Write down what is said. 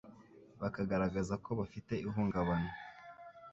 bakagaragaza ko bafite ihungabana